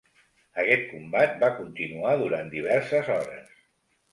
Aquest combat va continuar durant diverses hores.